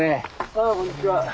ああこんにちは。